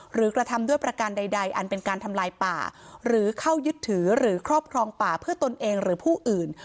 กระทำด้วยประการใดอันเป็นการทำลายป่าหรือเข้ายึดถือหรือครอบครองป่าเพื่อตนเองหรือผู้อื่น